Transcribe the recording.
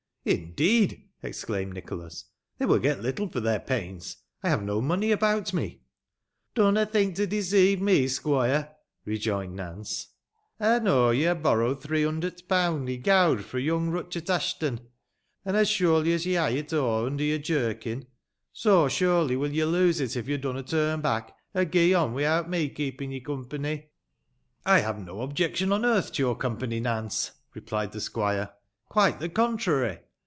Indeed !" exclaimed Nicholas ;" they will get little for their pains. I haye no money about me.'' ''Dunna think to deceire me, squoire," rejoined Nanoe; "ey knoa yo ha' borrowed three hundert punds i' gowd fro' yung Buchot Aasheton ; an' os surely es ye ha' it aw under your jeridn. Bo Butely ^ yo lo.« it, & yo lunna tum back, or ^ on without me keepin' ye Company." "I bare no objection on earth to your Company, Nance," replied the squire: "quite the contrary.